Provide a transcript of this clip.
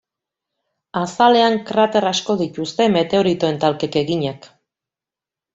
Azalean krater asko dituzte, meteoritoen talkek eginak.